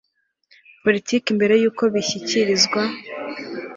Politiki mbere y uko bishyikirizwa